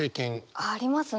ありますね。